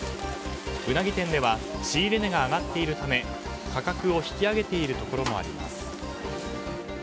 ウナギ店では仕入れ値が上がっているため価格を引き上げているところもあります。